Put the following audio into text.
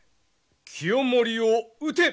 清盛を討て！